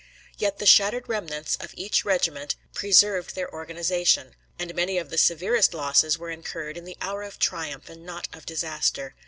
Yet the shattered remnants of each regiment preserved their organization, and many of the severest losses were incurred in the hour of triumph, and not of disaster.